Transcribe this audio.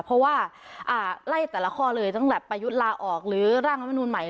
เพราะว่าไล่แต่ละข้อเลยตั้งแต่ประยุทธ์ลาออกหรือร่างรัฐมนุนใหม่